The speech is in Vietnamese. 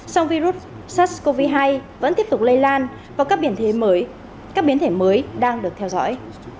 song virus sars cov hai vẫn tiếp tục lây lan và các biến thể mới đang được theo dõi